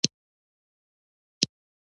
دا د چر ګ لکۍ ته ورته شملی واچوی په ځمکه